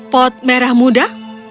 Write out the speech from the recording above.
pot merah muda